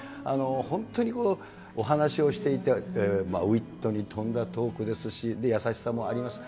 本当にお話をしていて、ウィットにとんだトークですし、優しさもあります。